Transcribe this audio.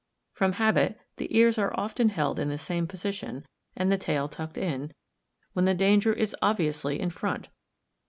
From habit the ears are often held in this same position, and the tail tucked in, when the danger is obviously in front.